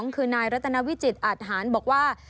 คือนายรัตนวิจิตรอทหารบอกว่า